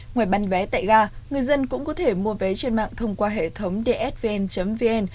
ngoài bán vé tại ga người dân cũng có thể mua vé trên mạng thông qua hệ thống dsvn vn vn